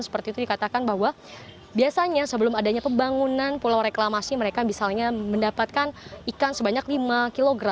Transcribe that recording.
seperti itu dikatakan bahwa biasanya sebelum adanya pembangunan pulau reklamasi mereka misalnya mendapatkan ikan sebanyak lima kg